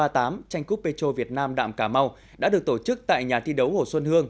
tranh cúp petro việt nam đạm cà mau đã được tổ chức tại nhà thi đấu hồ xuân hương